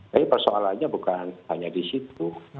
jadi persoalannya bukan hanya di situ